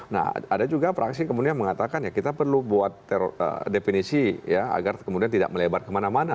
nah ada juga praksi kemudian mengatakan ya kita perlu buat definisi ya agar kemudian tidak melebar kemana mana